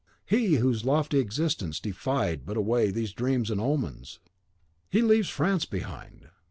he, whose lofty existence defied but away these dreams and omens! He leaves France behind.